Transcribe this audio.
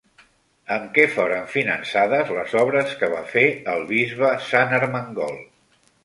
Amb què foren finançades les obres que va fer el bisbe Sant Ermengol?